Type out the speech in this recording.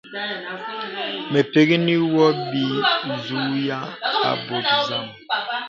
Mə pəkŋì wɔ bìzùghā abɔ̄ɔ̄ zàm.